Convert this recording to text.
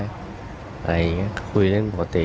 อะไรอย่างนี้คุยเรื่องปกติ